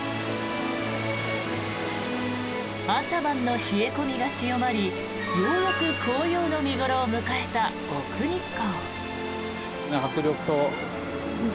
朝晩の冷え込みが強まりようやく紅葉の見頃を迎えた奥日光。